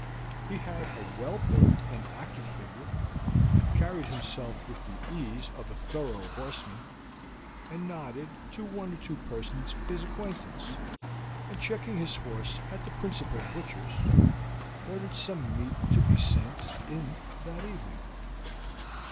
He had a well built and active figure, carried himself with the ease of a thorough horseman, and nodded to one or two persons of his acquaintance, and checking his horse at the principal butcher's, ordered some meat to be sent in that evening.